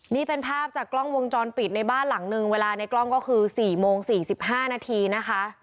นี่เป็นภาพจากกล้องวงจรปิดในบ้านหลังนึงเวลาในกล้องก็คือ๔โมง๔๕นาทีนะคะ